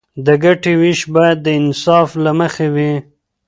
د ګټې ویش باید د انصاف له مخې وي.